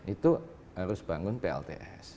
itu harus bangun plts